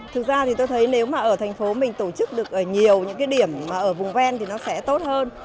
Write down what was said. thực ra thì tôi thấy nếu mà ở thành phố mình tổ chức được ở nhiều những cái điểm ở vùng ven thì nó sẽ tốt hơn